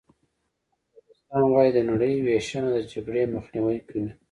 امپریالیستان وايي د نړۍ وېشنه د جګړې مخنیوی کوي